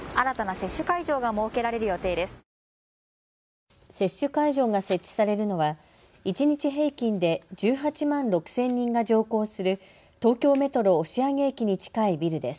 接種会場が設置されるのは一日平均で１８万６０００人が乗降する東京メトロ押上駅に近いビルです。